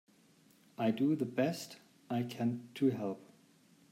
I do the best I can to help.